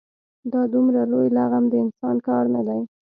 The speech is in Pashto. دا دومره لوی لغم د انسان کار نه دی.